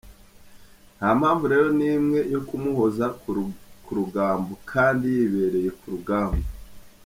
Nta mpamvu rero n’imwe yo kumuhoza ku rugambo kandi yibereye ku rugamba.